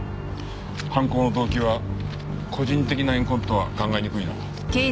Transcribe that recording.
犯行の動機は個人的な怨恨とは考えにくいな。